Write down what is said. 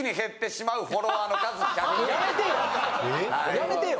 やめてよ！